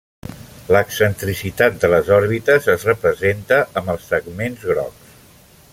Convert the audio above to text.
L'excentricitat de les òrbites es representa amb els segments grocs.